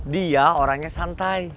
dia orangnya santai